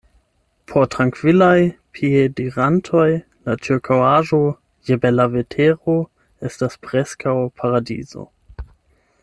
Por trankvilaj piedirantoj la ĉirkaŭaĵo, je bela vetero, estas preskaŭ paradizo.